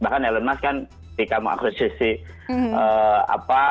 bahkan elon musk kan ketika mau aktualisasi apa